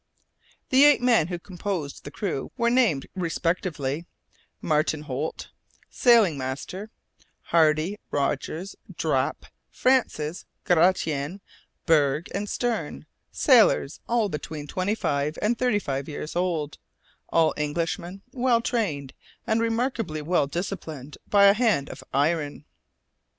The eight men who composed the crew were named respectively Martin Holt, sailing master; Hardy, Rogers, Drap, Francis, Gratian, Burg, and Stern sailors all between twenty five and thirty five years old all Englishmen, well trained, and remarkably well disciplined by a hand of iron.